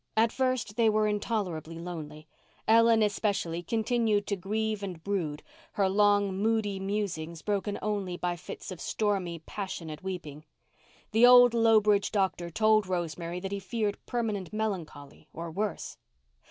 At first they were intolerably lonely. Ellen, especially, continued to grieve and brood, her long, moody musings broken only by fits of stormy, passionate weeping. The old Lowbridge doctor told Rosemary that he feared permanent melancholy or worse.